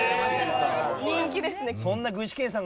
人気ですね。